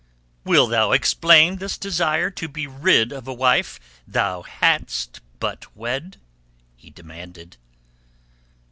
Wilt thou explain this desire to be rid of a wife thou hadst but wed?" he demanded.